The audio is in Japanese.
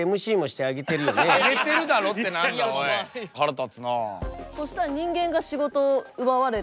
腹立つなあ。